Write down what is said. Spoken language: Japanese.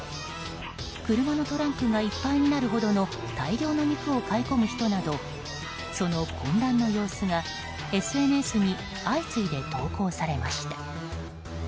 車のトランクがいっぱいになるほどの大量の肉を買い込む人などその混乱の様子がＳＮＳに相次いで投稿されました。